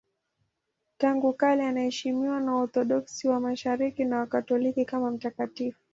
Tangu kale anaheshimiwa na Waorthodoksi wa Mashariki na Wakatoliki kama mtakatifu.